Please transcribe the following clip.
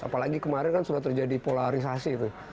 apalagi kemarin kan sudah terjadi polarisasi itu